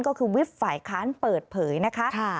ก็คือวิบฝ่ายค้านเปิดเผยนะคะ